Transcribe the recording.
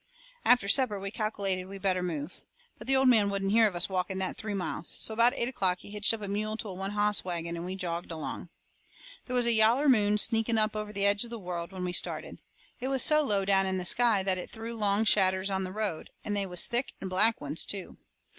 After supper we calculated we'd better move. But the old man wouldn't hear of us walking that three miles. So about eight o'clock he hitched up a mule to a one hoss wagon, and we jogged along. They was a yaller moon sneaking up over the edge of the world when we started. It was so low down in the sky yet that it threw long shadders on the road, and they was thick and black ones, too.